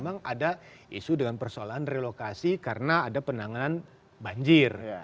memang ada isu dengan persoalan relokasi karena ada penanganan banjir